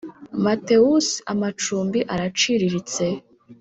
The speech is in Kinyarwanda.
Matheus Amacumbi araciriritse